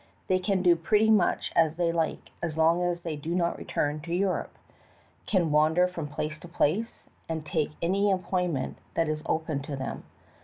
They can do pretty much as they like, as long as they do not return to Europe; can wander from place to place, and take any employ ment that is open to them.